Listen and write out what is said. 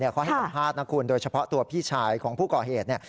เขาให้สัมภาษณ์นะคุณโดยเฉพาะตัวพี่ชายของผู้ก่อเหตุ